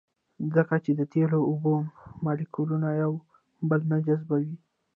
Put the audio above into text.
ځکه چې د تیلو او اوبو مالیکولونه یو بل نه جذبوي